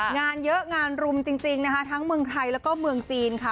งานเยอะงานรุมจริงนะคะทั้งเมืองไทยแล้วก็เมืองจีนค่ะ